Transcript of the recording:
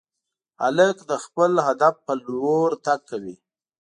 هلک د خپل هدف په لور تګ کوي.